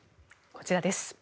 こちらです。